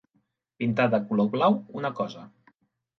Pintar de color blau una cosa.